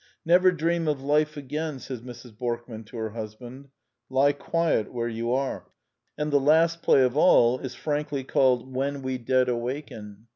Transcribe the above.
*' Never dream of life again,'' says Mrs. Borkman to her husband: "lie quiet where you are." And the last play of all is frankly called When We Dead The Last Four Plays 137 Awaken.